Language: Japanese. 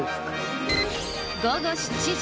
午後７時